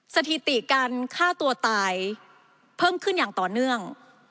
สถิติการฆ่าตัวตายเพิ่มขึ้นอย่างต่อเนื่อง